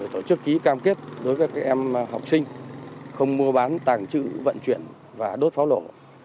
tổ chức ký cam kết đối với các em học sinh không mua bán tàng trữ vận chuyển và đốt pháo nổ